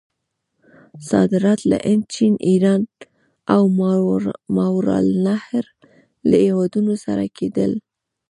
صادرات له هند، چین، ایران او ماورأ النهر له هیوادونو سره کېدل.